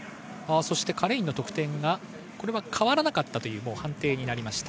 カレインの得点が変わらなかったという判定になりました。